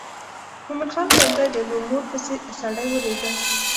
مومن خان ژوندی دی نو مور پسې سړی ولېږه.